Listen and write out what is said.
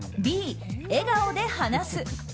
Ｂ、笑顔で話す。